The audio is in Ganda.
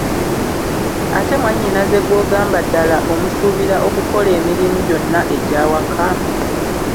Ate mwanyinaze gw’ogamba ddala omusuubira okukola emirimu gyonna egy’awaka?